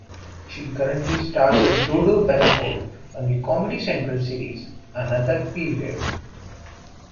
She currently stars as Dodo Bellacourt on the Comedy Central series "Another Period".